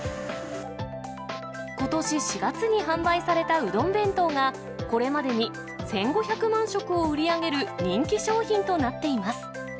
ことし４月に販売されたうどん弁当が、これまでに１５００万食を売り上げる人気商品となっています。